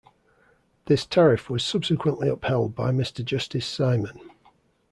This tariff was subsequently upheld by Mr Justice Simon.